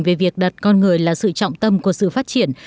về việc đặt con người là sự trọng tâm của sự phát triển